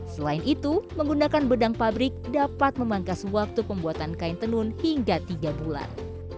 selain itu menggunakan benang pabrik dapat memangkas waktu pembuatan kain tenun hingga tiga bulan